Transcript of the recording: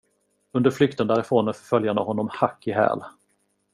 Under flykten därifrån är förföljarna honom hack i häl.